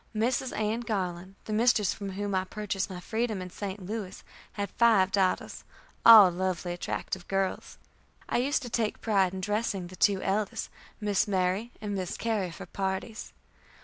Mrs. Ann[e] Garland, the mistress from whom I purchased my freedom in St. Louis, had five daughters, all lovely, attractive girls. I used to take pride in dressing the two eldest, Miss Mary and Miss Carrie, for parties.